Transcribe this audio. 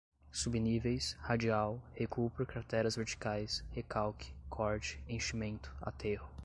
subníveis, radial, recuo por crateras verticais, recalque, corte, enchimento, aterro